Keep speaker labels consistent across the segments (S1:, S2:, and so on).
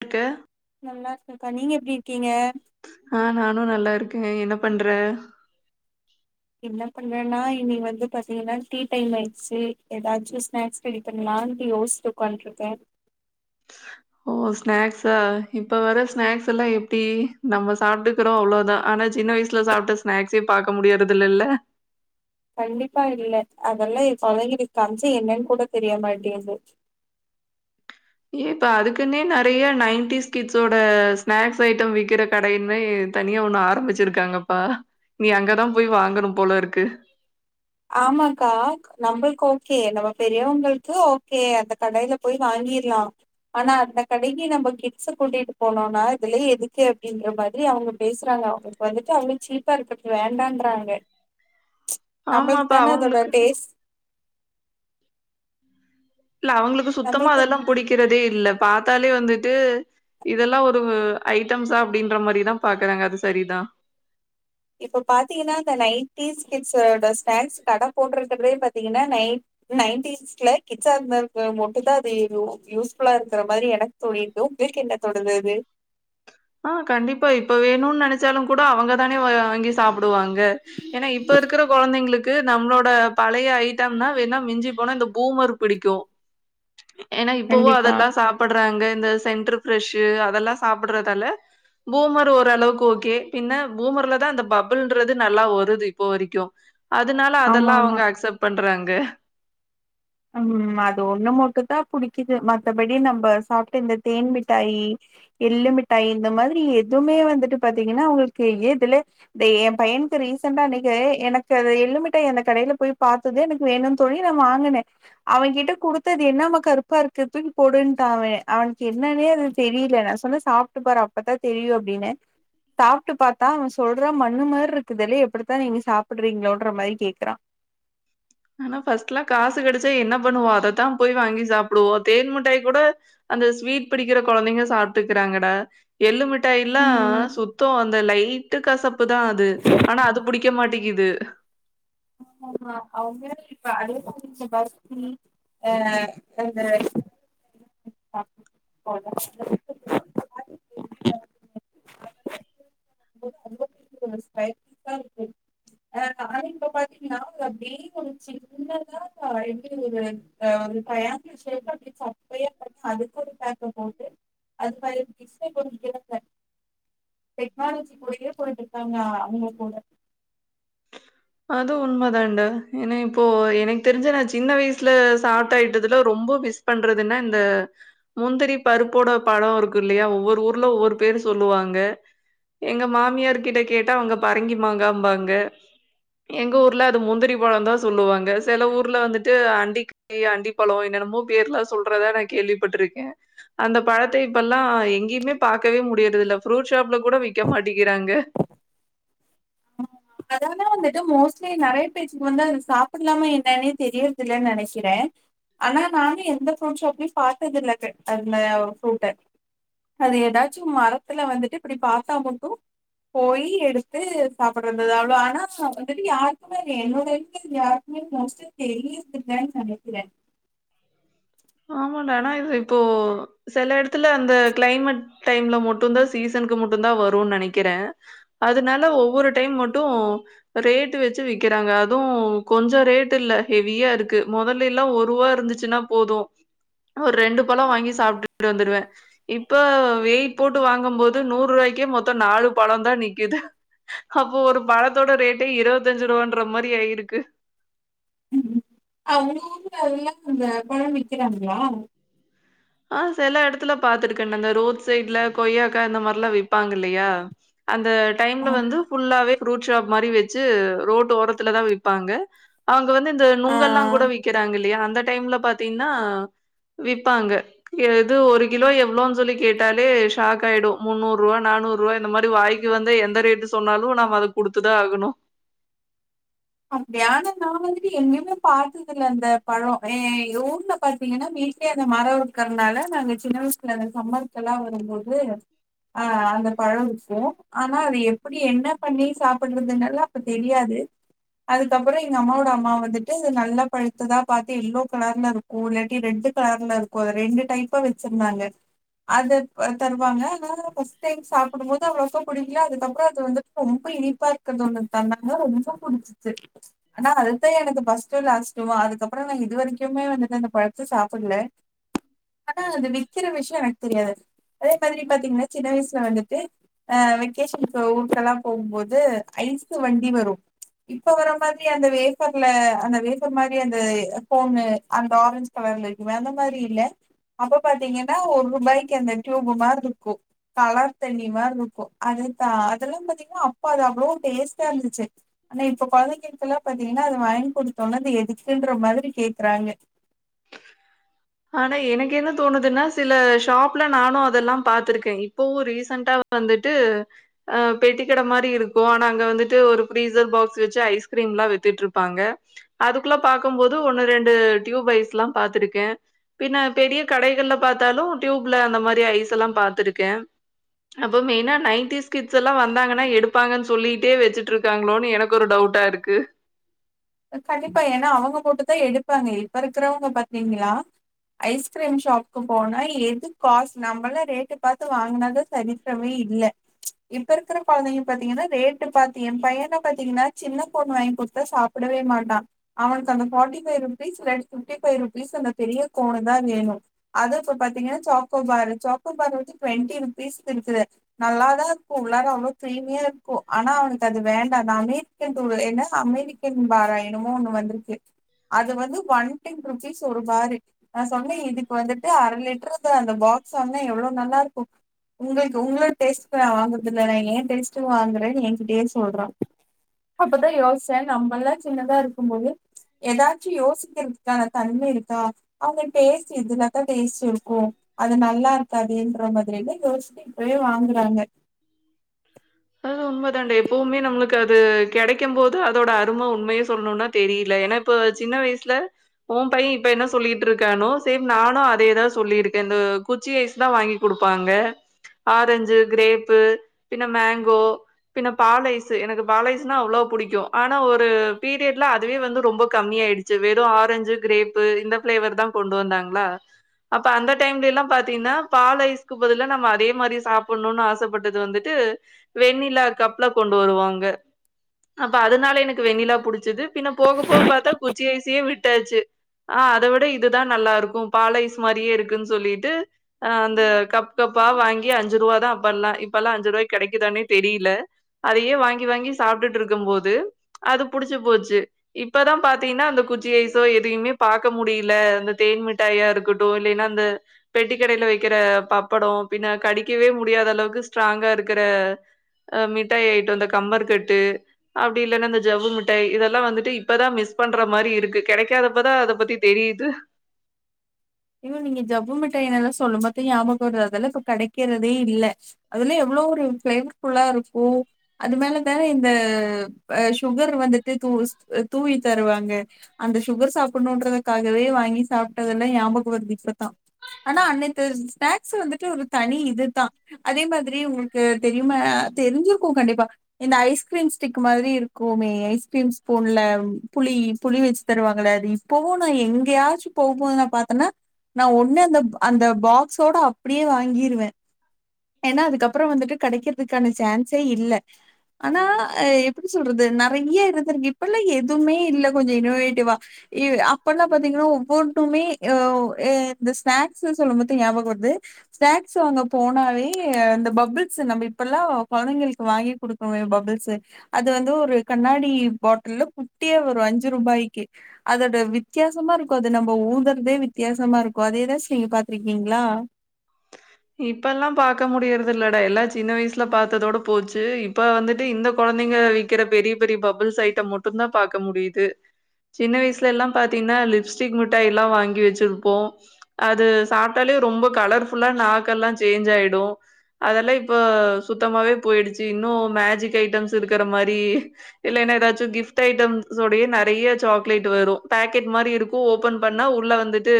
S1: இருக்கு
S2: நல்லா இருக்கங்க்கா நீங்க எப்டி இருக்கீங்க
S1: ஆ நானு நல்லா இருக்கே நீ என்ன பண்ற
S2: என்ன பண்றேன்னா இனி வந்து பாத்தீங்கன்னா டீ டைம் ஆயிட்ச்சு எதாச்சு ஸ்நாக்ஸ் ரெடி பண்லா லான்டு யோசிச்சு உக்காண்டுருக்கே
S1: ஓ ஸ்நாக்ஸா இப்ப வர ஸ்நாக்ஸ் எல்லா எப்டி நம்ப சாப்ட்டுக்குறோ அவ்ளோதா ஆனா சின்ன வயசுல சாப்ட்ட ஸ்நாக்ஸே பாக்க முடியாதது இல்லல
S2: கண்டிப்பா இல்ல அதெல்லா ஏ பையனுக் காம்ச்சி என்னன் கூட தெரியமாட்டேங்து
S1: ஏபா அதுக்கின்னே நெறையா நைன்டிஸ் கிட்ஸோட ஸ்நாக்ஸ் ஐட்டோ விக்கிற கடைனா தனியா ஒன்னு ஆரம்பிச்சிருக்காங்கப்பா நீ அங்கதா போய் வாங்கனு போலருக்கு
S2: ஆமாக்கா நம்ளுக்கு ஓகே நம்ப பெரியவங்களுக்கு ஓகே அந்த கடையில போய் வாங் கிர்லா ஆனா அந்த கடைக்கி நம்ப கிட்ஸ கூட்டிட்டு போனோனா இதுலா எதுக்கு அப்டின்ற மாரி அவங்க பேசுறாங்க அவுங்ளுக்கு வந்துட்டு அவுங்ளுக்கு சீப்பா இருக்கறது வேண்டான்றாங்க நம்ளுக்கு
S1: ஆமாப்பா
S2: தானே அதோட
S1: அவங்களுக்கு
S2: டேஸ்
S1: இல்ல அவங்களுக்கு சுத்தமா
S2: நம்மளுக்கு
S1: அதெல்லா புடிக்கிறதே இல்ல பாத்தாலே வந்துட்டு இதெல்லா ஒரு ஐட்டம்ஸா அப்டின்ற மாரிதா பாக்குறாங்க அது சரிதா
S2: இப்போ பாத்தீங்கன்னா இந்த நைன்டீஸ் கிட்ஸோட ஸ்நேக்ஸ் கட போட்ருக்கர்தே பாத்தீங்கன்னா நை நைன்டிஸ்ல கிட்ஸா [unintelligible] மட்டு தா அது யூஸ்ஃபுல்லா இருக்கற மாரி எனக்கு தோனிர்க்கு எதுக்கு என்ன தொடரது
S1: ஆ கண்டிப்பா இப்ப வேணுனு நெனச்சாலு கூட அவங்கதானே வாங்கி சாப்டுவாங்க ஏனா இப்ப இருக்ற கொழந்தைங்களுக் கு நம்ளோட பழைய ஐட்டம்னா வேனா மிஞ்சி போன இந்த பூமர் பிடிக்கு ஏனா இப்பவு
S2: கண்டிப்பா
S1: அததா சாப்பட்றாங்க இந்த சென்ட்ரு பிரரெஷு அதெல்லா சாப்பட்றதுல பூமரு ஓரளவுக்கு ஓகே பின்ன பூமர்லதா அந்த பபுள்ன்றது நல்லா வருது இப்ப வரைக்கு அதனால
S2: ஆமா
S1: அதெல்லா
S2: ஆமா
S1: அவங்க அக்செப்ட் பண்றாங்க
S2: ம் அது ஒன்னு மட்டு தா புடிக்கிது மத்தபடி நம்ப சாப்ட்ட இந்த தேன் மிட்டாயி எள்ளுமிட்டாயி இந்த மாதிரி எதுவுமே வந்துட்டு பாத்தீங்கன்னா அவுங்ளுக்கு ஏ தெல்ல இத ஏ பைய ரீசண்டா அன்னிக்கு எனக்கு அது எள்ளு மிட்டாய் அந்த கடையில போய் பாத்தது எனக்கு வேணுனு சொல்லி நா வாங்குனே அவெங்கிட்ட குடுத்து அது என்னாமா கருப்பா இருக்கு தூக்கி போடுண்டா அவே அவனுக்கு என்னன்னே அது தெரி ல நா சொன்னே சாப்ட்டு பாரு அப்பதா தெரியு அப்டின்னே சாப்ட்டு பாத்தா அவே சொல்றா மண்ணு மாரி இருக்குதுலே எப்டித்தா நீங்க சாப்ட்றீங்களோன்ற மாரி கேக்குறா [inaudible]
S1: ஆனா பஸ்ட்லா காசு கெடச்சா என்ன பண்ணுவோ அதத்தா போய் வாங்கி சாப்டுவோ தேன் மிட்டாய் கூட அந்த ஸ்வீட் பிடிக்கிற கொழந்தைங்க சாப்ட்டுக்கிறாங்கடா எள்ளுமிட் டைலா
S2: ம்
S1: சுத்தோ அந்த லைட்டு கசப்பு தா அது ஆனா அது புடிக்க மாட்டிங் கிது
S2: ஆமா ஆமா அவங்க இப்ப அதே மாறி இந்த பர்பி அ அந்த [inaudible] [inaudible] [inaudible] ஆ நானு இந்த மாறி நாங்க வேக வச்சி என்னதா எப்டி ஒரு ஆ ட்ரையாங்கள் சேப்லா சப்பயா பண்ணி அதுக்கு ஒரு பேக்க போட்டு அதுல எக்ஸ்ட்ரா [unintelligible] டெக்னாலஜி கூடயே பொய்ட்ருக்காங்க அவங்க கூட
S1: அது உண்ம தான்டா ஏனா இப்போ எனக்கு தெரிஞ்ச நா சின்ன வயசுல சாப்ட்ட ஐட்டத்துல ரொம்போ மிஸ் பண்றதுன்னா இந்த முந்திரி பருப்போட பலோ இருக்கு இல்லயா ஒவ்வொரு ஊர்ல ஒவ்வொரு பேர் சொல் லுவாங்க எங்க மாமியார் கிட்ட கேட்டா அவங்க பறங்கிமாங்காபாங்க எங்க ஊர்ல அது முந்திரி பழோந்தா சொல்லுவாங்க செல ஊர்ல வந்துட்டு அண்டிக்காயி அண்டி பழோ என்னென் னமோ பேர்லா சொல்றதா நா கேள்விப்பட்ருக்கே அந்த பழத்தை இப்பெல்லா எங்கேயுமே பாக்கவே முடியதுயில்ல ஃப்ரூட் ஷாப்ல கூட விக்க மாட்டிகிறாங்க
S2: ஆமா அதால அந்த இது மோஸ்ட்லி நெறைய பேருக்கு வந்து அது சாப்ட்லாமா என்னன்னே தெரியறதில்லன்னு நெனைக்கிறே ஆனா நானு எந்த ஃப்ரூட் சாப்லையு பாத்ததில்ல அது அந்த ஃப்ரூட்டு அது எதாச்சு மரத்துல வந்துட்டு இப்டி பாத்த மட்டு போயி எடுத்து சாப்ட இருந்தது அவ்ளோ ஆனா ஆல்ரெடி யாருக்குமே அது என்னோட வீக்னஸ் யாருக்குமே மொஸ்ட்டா தெரியற்தில்ல ஆன் சமைக்கிறே
S1: ஆமான்டா ஆனா இது இப்போ செல எடத்துல அந்த கிளைமட் டைம்ல மட்டுந்தா சீசன் க்கு மட்டுந்தா வரூன் நெனைக்கிறே அதுனால ஒவ்வொரு டைம் மட்டு ரேட்டு வச்சு விக் கிறாங்க அதுவு கொஞ்சொ ரேட்டில்ல ஹெவியா இருக்கு மொதல்லைலா ஒருவா இருந்துச்சுனா போது
S2: [inaudible]
S1: ஒரு ரெண்டு பழ வாங்கி சாப்டுட்டு வந்துருவே இப்ப வெய்ட் போட்டு வாங்கம் போது நூர்ருவாய்க்கே மொத்த நாலு பழந்தா நிக்கிது அப்போ ஒரு பழத்தோட ரேட்டே இருவத்தஞ்சுரூவான்ற மாரி ஆயிருக்கு
S2: ம்ம் ஆ உங்க ஊர்ல அதெல்லா அந்த பழம் விக்கிறாங்ளா
S1: ஆ செல எடத்துல பாத்துருக்கேன் அந்த ரோட் சைட்ல கொய்யாக்கா இந்த மார்லா விப்பாங்க இல்லையா அந் ந்த டைம்ல
S2: ஆ.
S1: வந்து ஃபுல்லாவே ஃப்ரூட் ஷாப் மாரி வெச்சு ரோட்டு ஓரத்துலதா விப்பாங்க அங் ங்க வந்து இந்த
S2: ஆ.
S1: நுங்கெல்லாங்கூட விக்கிறாங்க இல்லையா அந்த டைம்ல பாத்தீங்னா விப்பாங்க எது ஒரு கிலோ எவ்ளோன் சொல்லி கேட்டாலே ஷாக்காய்டு முன்னூறுவா நானூறுவா இந்த மாரி வாய் இங்க வந்து எந்த ரேட்டு சொன்னாலு நாம அத குடுத்துதா ஆகணு
S2: அப்டியா ஆனா நா வந்துட்டு எங்கெயுமே பாத்ததில்ல அந்த பழ ஆ எங்க ஊர்ல பாத்தீங்கனா மே வீட்லே அந்த மரோ இருக்கிறதுனால நாங்க சின்ன வயசுல இந்த சம்மருக்கெல்லா வரும்போது ஆ அந்த பழம் விக்கு ஆனா அது எப்புடி என்ன பண்ணி சாப்புட்றதுனெல்லா அப்ப தெரியாது அதுக்கப்பற எங்க அம்மாவோட அம்மா வந்துட்டு இது நல்லா பழுத்ததா பாத்து எல்லோ கலர்ல இருக்கு இல்லாட்டி ரெட்டு் க லர்ல இருக்கு அத ரெண்டு டைப்பா வெச்சிருந்தாங்க அது ப தருவாங்க நா ஃபஸ்ட் டைம் சாப்புடும் போது அவ்ளோக்கா புடிக்ல அதுக்கப்ற அது வந்துட் ரொம்ப ப இனிப்பா இருக்கற்து ஒன்னு தந்தாங்க ரொம்ப புடிச்சு து ஆனா அதுதா எனக்கு ஃபர்ஸ்ட்டு லாஸ்டுமா அதுக்கப்பற நா இது வரைக்குமே வந்துட்டு அந்த பழத்த சாப்புட் இல்ல ஆனா அது விக்கிற விஷ்ய எனக்கு தெரியாது அதே மாதிரி பாத்தீங்னா சின்ன வயசுல வந்துட்டு அ வெக்கேஷனுக்கு ஊர்க்கல்லா போகும்போது ஐஸு வண்டி வரு இப்ப வர மாதிரி அந்த வேஃபர்ல அந்த வேஃபர் மாதிரி அந்த அ கோன்னு அந்த ஆரஞ்ச் கலர் கிடைக்குமே அந்த மாதிரி இல்ல அப்போ பாத்தீங்கனா ஒர் ரூபாய்க்கு அந்த டியூபு மார்ருக்கு கலர் தண்ணி மார்ருக்கு அது தா அதெல்லா பாத்தீங்னா அப்ப அது அவ்ளோ டேஸ்ட்டா இருந்துச்சு ஆனா இப்ப கொழந்தைகளுக்கெல்லா பாத்தீங்கனா அத வாய்ங் குடுத்தோனா இது எதுக்குன்ற மாதிரி கேக்குறாங்க
S1: ஆனா எனக்கு என்ன தோணுதுன்னா சில ஷாப்ல நானு அதெல்லா பாத்திருக்கே இப்பவு ரீசண்டா டாவு வந்துட்டு அ பெட்டிக்கட மாரி இருக்கு ஆனா அங்க வந்துட்டு ஒரு ஃப்ரீசர் பாக்ஸ் வெச்சு ஐஸ் கிரீம்லா வித்துட்ருப்பாங்க அதுக்குள்ள பாக்கம்போது ஒன்னு ரெண்டு டியூப் ஐஸ் ட்லா பாத்திருக்கே பின்ன பெரிய கடைகள்ல பாத்தாலு டியூப்ல அந்த மாரி ஐஸெல்லா பாத்திருக்கே அம் அப்போ மெய்னா நைய்ன்டீஸ் கிட்ஸெல்லா வந்தாங்கனா எடுப்பாங்கன் சொல்லீட்டே வச்சுட்ருக்காங்களோனு எனக்கு ஒரு டவு வுட்டா இருக்கு
S2: அ கண்டிப்பா ஏனா அவுங்க போட்டு தா எடுப்பாங்க இப்ப இருக்கிறவ்ங்க பாத்தீங்ளா ஐஸ்கிரீம் ஷாப்க்கு போனா எது காஸ்ட் நம்மளா ரேட்டு பாத்து வாங்குனதா சரித்திரமே இல்ல இப்ப இருக்கிற கொழந்தைங்க பாத்தீங்கனா ரேட்டு பாத்து எ பையன பாத்தீங்கனா சின்ன பொண்ணு வாங்கி குடுத்தா சாப் ப்டவே மாட்டா அவனுக்கு அந்த ஃபார்ட்டி ஃபைவ் ருபீஸ் இல்லாட்டி ஃபிஃப்ட்டி ஃபைவ் ருபீஸ் அந்தப் பெரிய கோனுதா வேணு அது இப்ப பாத்தீங்கனா சாக்கோபாரு சாக்கோபாரு வந்து டுவென்டி ருபீஸ்க்கு இருக்குது நல்லாதா ப்போ உள்ளார அவ்ளோ க்ரீமியா இருக்கு ஆனா அவனுக்கு அது வேண்டா நானே தின்ட்டொரு என்ன அமெரிக் கென் பார என்னமோ ஒன்னு வந்துருக்கு அது வந்து ஒன் டன் ருபீஸ் ஒரு பாரி நா சொன்னே இதுக்கு வந்துட்டு அர லிட்டர் தா அந்த பா க்ஸ் வாங்க்னா எவ்வளோ நல்லா இருக்கு உங்களுக்கு உங்கள டேஸ்ட்லா வாங்க தெரியாது நா ஏ டேஸ்டு வாங்குறேன்னு எகிட்டயே சொல்றா அப்பதா யோச்சே நம்பல்லா சின்னதா இருக்கும் போது ஏதாச்சு யோசிக்கிறதுக்கான தன்மை இருக் கா அங்க டேஸ்ட் இதுல்லத்தா டேஸ்ட் இருக்கு அது நல்லா இருக்காதுன்ற ஒரு மாதிரியல்ல யோச் சி இப்பயே வாங்குறாங்க
S1: அதுவு உண்மதாண்ட எப்பவுமே நம்மளுக்கு அது கெடைக்கும் போது அதோட அரும உண்மய சொல்ணுனா தெரியில ஏன்னா இப் ப சின்ன வயசுல ஓ பைய இப்ப என்ன சொல்லிட்டு இருக்கானோ சேம் நானோ அதேதா சொல்லிருக்கேன்னு போ குச்சி ஐஸ்தா வாங்கி குடுப்பாங்க ஆரஞ்சு கிரேப்பு பின்ன மேங் கோ பின்ன பால் ஐஸ்ஸு எனக்கு பால் ஐஸ்னா அவ்ளோ புடிக்கு ஆனா ஒரு பீரியட்ல அதுவே வந்து ரொம்ப கம்மியா ஆயிடுச்சு வெறு ஆரஞ்சு கிரேப்பு இந்த ஃபிளேவர் தா கொண்டு வந்தாங்களா அப்ப அந்த டைம்ல எல்லா பாத்தீங்கன்னா பால் ஐஸ்கு பதிலா நம்ம அதே மாரி சாப்பிட்ணுனு ஆசப்பட்டது வந்துட்டு ம் வெண்ணிலா கப்ல கொண்டு வருவாங்க அப்ப அதனால எனக்கு வெண்ணிலா புடிச்சது பின்ன போக போக பாத்தா குச்சி ஐஸ்ஸயே விட்டாச்சு ஆ அத விட இதுதா நல்லா இருக்கு பால் ஐஸ் மாரியே இருக்குன் சொல்லிட்டு அ அந்த கப் கப் பா வாங்கி அஞ்சு ரூவா தா அப்பல்லா இப்பல்லா அஞ்சு ரூவாய் கெடைக்குதானே தெரியில அதையே வாங்கி வாங்கி சாப்ட்டுட்ருக்கும் போது அது புடிச்சு போச்சு இப்பதா பாத்தீங்கன்னா அந்த குச்சி ஐசோ எதையுமே பாக்க முடியில அந்த தேன் மிட்டாயா இருக்கட்டு இல்லைன்னா அந்த பெட்டிக் கடைல வைக்கிற பப்படொ பின்ன கடிக்கவே முடியாத அளவுக்கு ஸ்ட்ராங்கா இருக்குற அ மிட்டாய் ஆயிட்டு இந்த கம்மர் கட்டு அப்டி இல்லன்னா அந்த ஜவ்வு மிட்டாய் இதெல்லா வந்துட்டு இப்பதா மி ஸ் பண்ற மாரி இருக்கு கெடைக்காதப்பதா அத பத்தி தெரியுது
S2: இல்ல நீங்க ஜவ்வு மிட்டையுனெல்லா சொல்லும்போது ஞாபகொ வருது அதெல்ல இப்ப கெடைக்கிறதே இல்ல அதெல்லா எவ் ளோ ஒரு ஃபேம் ஃபுல்லா இருக்கு அதுனால தா இந்த அ சுகர் வந்துட்டு து உஸ்ட் அ தூவி தருவாங்க அந்த சுகர் சாப்பிடணுன்றதுக்காகவே வாங்கி சாப்ட்டதுல்லா ஞாபகொ ஒரு நிம்ஷப்பா ஆனா அன்னத்து ஸ்நாக்ஸ் வந்துட்டு ஒரு தனி இதுதா அதே மாதிரி உங்களுக்கு தெரியுமா அ தெரிஞ்சிருக்கு கண்டிப்பா இந்த ஐஸ்கிரீம் ஸ்டிக் மாதிரி இருக்குமே ஐஸ்கிரீம் ஸ்பூன்ல புள் புளி புளி வெச்சு தருவாங்களே அது இப்பவு நா எங்கேயாச்சு போக போது நா பாத்தேன்னா நா ஒண்ணு அந்த அந்த பாக்ஸோட அப்டியே வாங்கிருவே ஏன்னா அதுக்கப்புறோ வந்துட்டு கெடைக்கிறதுக்கான சான்ஸே இல்ல ஆனா அ எப்டி சொல்றது நெறைய இருந்திருக்கு இப்பல்லா எதுவுமே இல்ல கொஞ்ச இன்னோவேட்டிவா இ அப்பல்லா பாத்தீங்கன்னா ஒவ்வொண்டுமே அ இந்த ஸ்நாக்ஸ்ஸு சொல்லும்போது ஞாபக வருது ஸ்நாக்ஸ் வாங்க போனாவே இந்த பபுள்ஸ் ஸு நம்ம இப்பல்லா கொழந்தைங்களுக் கு வாங்கி கொடுக்குவே பபுள்ஸ்ஸு அது வந்து ஒரு கண்ணாடி பாட்டில்ல குட்டியா ஒரு அஞ்சு ரூபாய் க்கு அதோட வித்தியாசமா இருக்கு அது நம்ப ஊந்தறதே வித்தியாசமா இரு க்கு அது எதாச்சு நீங்க பாத்துருக்கீங்க்ளா
S1: இப்பல்லா பாக்க முடியறது இல்லடா எல்லா சின்ன வயசுல பாத்ததோட போச்சு இப்ப வந்துட்டு இந்த கொழந்தைங்க வைக்கிற பெரிய பெரிய பபுள் ஸ் ஐட்டம் மட்டுதா பாக்க முடியுது சின்ன வயசுல எல்லா பாத்தீங்கன்னா லிப்ஸ்டிக் மிட்டாய் எல்லா வாங்கி வெச்சிருப்போ அது சாப்ட்டாலே ரொம்ப கலர் ஃபுல்லா நாக்க எல்லா சேஞ்ச் ஆயிடு அதெல்லா இப்ப சு த்தமாவே போயிடுச்சு இன்னு மேஜிக் ஐட்டம்ஸ் இருக்கற மாரி இல்லைன்னா ஏதாச்சு கிஃப்ட் ஐட்டம் ஸுடையே நெறைய சாக்லேட் வரு பேக்கெட் மாரி இருக்கு ஓபன் பண்ணா உள்ள வந்துட்டு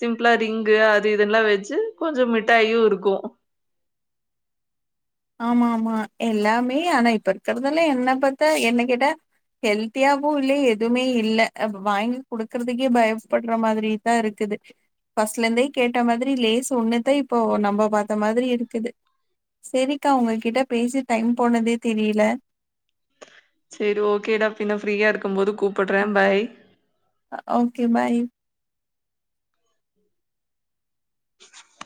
S1: சிம்பிளா ரிங்கு அது இதெல்லா வெச்சு கொஞ்ச மிட்டாயு இருக்கு
S2: ஆமா ஆமா எல்லாமே ஆனா இப்ப இருக்கறதெல்லா என்ன பாத்தா என்ன கேட்ட ஹெல்த்தியாவு இல்ல எதுவுமே இல்ல அ வாங்கி குடுக்குறதுக்கே பயப்புட்ற மாதிரி தா இருக்கு இது பஸ்ட்ல இருந்தே கேட்ட மாதிரி லேச ஒண்ணுதான் இப்போ நம்ம பார்த்த மாதிரி இருக்குது செரிக்கா உங்ககிட்ட பேசி டைம் போனதே தெரியல
S1: சரி ஓகேடா பின்ன ஃப்ரீயா இருக்கும்போது கூப்பிடுறேன் பாய்
S2: ஓகே பாய்